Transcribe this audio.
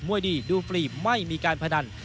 วยดีดูฟรีไม่มีการพนัน